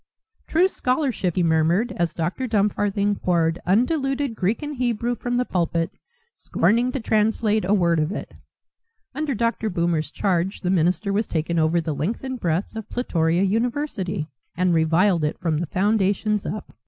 "True scholarship," he murmured, as Dr. Dumfarthing poured undiluted Greek and Hebrew from the pulpit, scorning to translate a word of it. Under Dr. Boomer's charge the minister was taken over the length and breadth of Plutoria University, and reviled it from the foundations up.